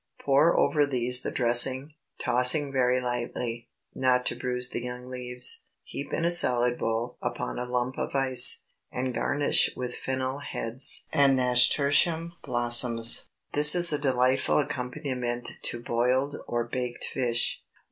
Pour over these the dressing, tossing very lightly, not to bruise the young leaves; heap in a salad bowl upon a lump of ice, and garnish with fennel heads and nasturtium blossoms. This is a delightful accompaniment to boiled or baked fish.